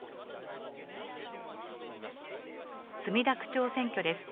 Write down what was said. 墨田区長選挙です。